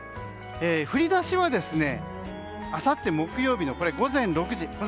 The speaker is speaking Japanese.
降り出しはあさって木曜日の午前６時。